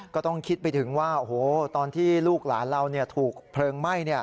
ก็ต้องคิดไปถึงว่าตอนที่ลูกหลานเราถูกเพลิงไหม้